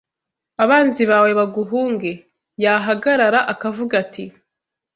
abanzi bawe baguhunge. Yahagarara, akavuga ati